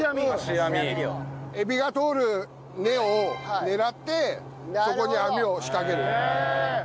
エビが通る目を狙ってそこに網を仕掛ける。